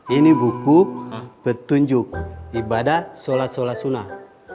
ini buku petunjuk ibadah sholat sholat sunnah